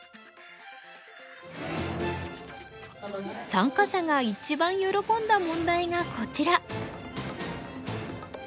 参加者が一番喜んだ問題がこちら。